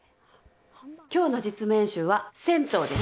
今日の実務演習は銭湯です。